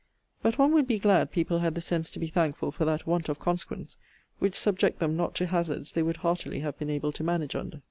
But one would be glad people had the sense to be thankful for that want of consequence, which subject them not to hazards they would heartily have been able to manage under.